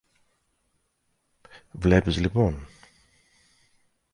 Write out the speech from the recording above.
Βλέπεις λοιπόν;